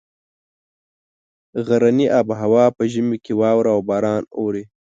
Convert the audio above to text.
غرني آب هوا په ژمي کې واوره او باران اوري.